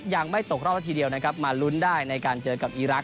ยังไม่ตกรอบละทีเดียวนะครับมาลุ้นได้ในการเจอกับอีรักษ